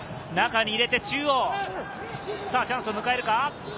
中に入れて中央、チャンスを迎えるか？